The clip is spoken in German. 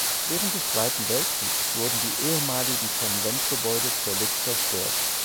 Während des Zweiten Weltkriegs wurden die ehemaligen Konventgebäude völlig zerstört.